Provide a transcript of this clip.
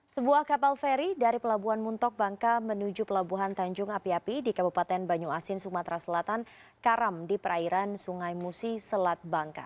sebuah kapal feri dari pelabuhan muntok bangka menuju pelabuhan tanjung api api di kabupaten banyu asin sumatera selatan karam di perairan sungai musi selat bangka